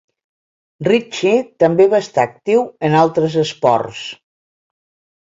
Ritchie també va estar actiu en altres esports.